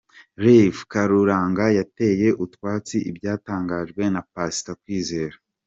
Rev Karuranga yateye utwatsi ibyatangajwe na Pastor Kwizera.